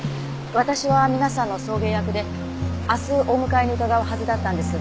私は皆さんの送迎役で明日お迎えに伺うはずだったんです。